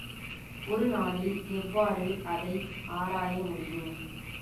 ஒரு நாளில் எவ்வாறு அதை ஆராயமுடியும்?